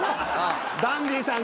ダンディさん